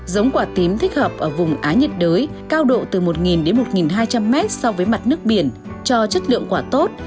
giống quả tím thích hợp ở vùng á nhiệt đới cao độ từ một đến một hai trăm linh mét so với mặt nước biển cho chất lượng quả tốt